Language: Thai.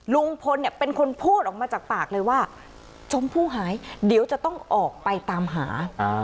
ลุงพลเนี่ยเป็นคนพูดออกมาจากปากเลยว่าชมพู่หายเดี๋ยวจะต้องออกไปตามหา